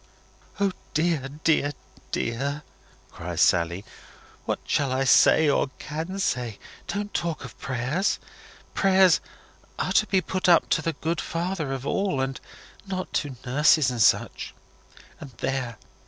"O dear, dear, dear!" cries Sally. "What shall I say, or can say! Don't talk of prayers. Prayers are to be put up to the Good Father of All, and not to nurses and such. And there!